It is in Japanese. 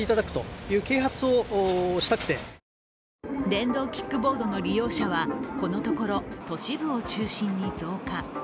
電動キックボードの利用者はこのところ都市部を中心に増加。